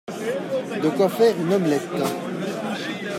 De quoi faire une omelette !